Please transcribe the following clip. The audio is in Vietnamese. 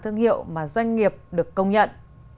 thương hiệu mà doanh nghiệp được công nhận